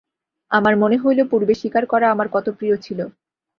আমার মনে হইল, পূর্বে শিকার করা আমার কত প্রিয় ছিল।